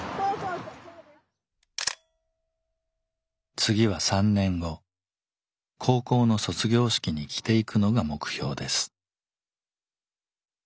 次は３年後高校の卒業式に着ていくのが目標です。